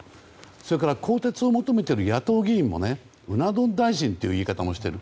それから更迭を求めている野党議員もうな丼大臣という言い方をしている。